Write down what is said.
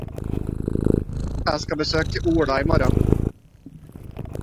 Jeg skal besøke Ola i morgen.